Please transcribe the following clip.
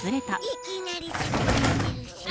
いきなり失敗してるし。